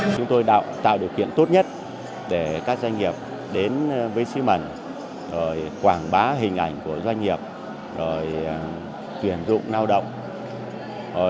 chúng tôi tạo điều kiện tốt nhất để các doanh nghiệp đến với sứ mẩn rồi quảng bá hình ảnh của doanh nghiệp rồi tuyển dụng lao động